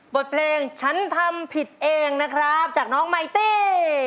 บทเพลงฉันทำผิดเองนะครับจากน้องไมตี้